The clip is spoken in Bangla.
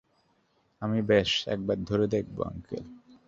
আমি ব্যাস একবার ধরে দেখবো, আংকেল।